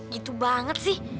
gitu banget sih